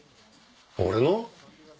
俺の？